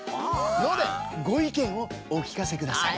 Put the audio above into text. のでごいけんをおきかせください。